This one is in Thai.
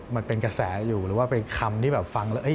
มันเป็นกระแสอยู่หรือว่าเป็นคำที่แบบฟังแล้ว